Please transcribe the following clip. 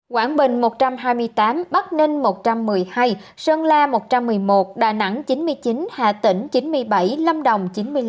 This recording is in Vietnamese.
quảng bình một trăm hai mươi tám bắc ninh một trăm một mươi hai sơn la một trăm một mươi một đà nẵng chín mươi chín hà tĩnh chín mươi bảy lâm đồng chín mươi năm